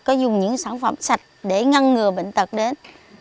có dùng những sản phẩm sạch để ngăn ngừa bệnh tật đến